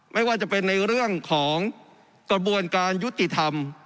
ไม่ว่าจะเป็นในเรื่องของกระบวนการยุติธรรม